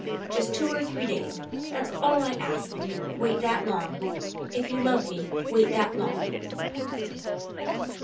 " Just two or three days. That's all I ask. Wait that long. If you love me, wait that long.